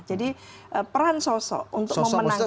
jadi peran sosok untuk memenangkan